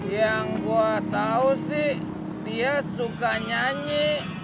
yang gua tau sih dia suka nyanyi